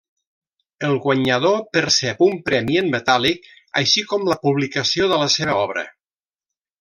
El guanyador percep un premi en metàl·lic així com la publicació de la seva obra.